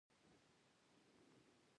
منډه د وجود سره مینه ده